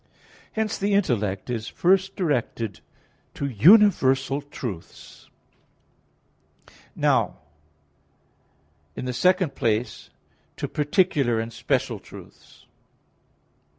Hence the intellect is first directed to universal truth; and in the second place to particular and special truths.